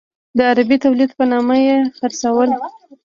د عربي تولید په نامه یې خرڅول.